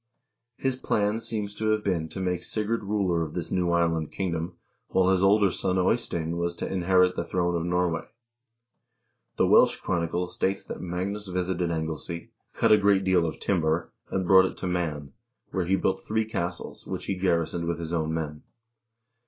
His plan seems to have been to make Sigurd ruler of this new island kingdom, while his older son Eystein was to inherit the throne of Norway. The Welsh chronicle states that Magnus visited Anglesea, cut a great deal of timber, and brought it to Man, where he built three castles, which he garrisoned with his own men.